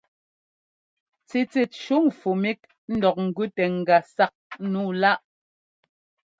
Tsitsit shuŋ fʉmík ńdɔk ŋ́gʉ tɛ ŋga saꞌ nǔu láꞌ.